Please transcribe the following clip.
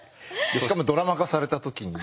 しかもドラマ化された時に。